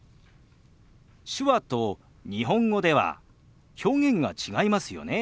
手話と日本語では表現が違いますよね。